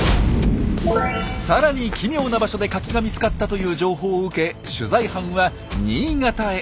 さらに奇妙な場所でカキが見つかったという情報を受け取材班は新潟へ。